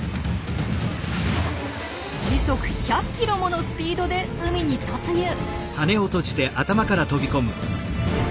時速１００ｋｍものスピードで海に突入！